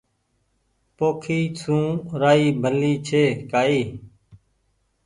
پوکي سون رآئي ڀلي ڇي ڪآئي